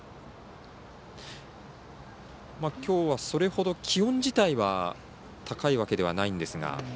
きょうはそれほど気温自体は高いわけではないんですが。